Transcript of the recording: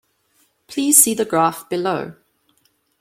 Please see the graph below.